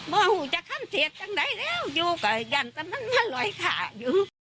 บอกว่าจะขั้นเถียดจังไหนแล้วอยู่กันอย่างนั้นมันลอยขาอยู่